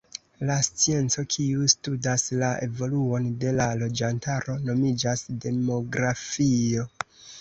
La scienco, kiu studas la evoluon de la loĝantaro nomiĝas demografio.